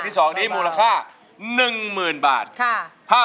โอ้ยเป็นเพลงของคุณอาชายเมืองสิงหรือเปล่า